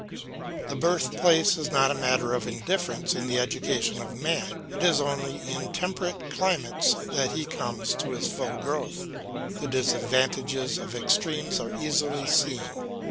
The birthplace is not a matter of indifference in the education of man; it is only in temperate climes that he comes to his full growth. The disadvantages of extremes are easily seen.